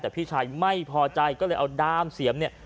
แต่พี่ชายไม่พอใจก็เลยเอาด้ามเสียมเนี่ย